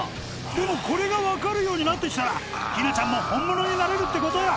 でもこれが分かるようになって来たらひなちゃんも本物になれるってことよ